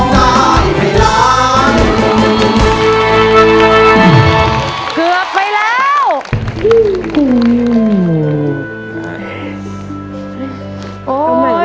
เกือบไปแล้ว